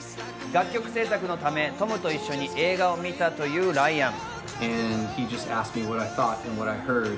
楽曲制作のため、トムと一緒に映画を見たというライアン。